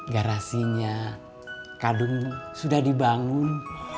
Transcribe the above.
garasinya kadung sudah dibangun